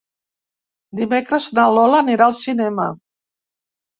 Dimecres na Lola anirà al cinema.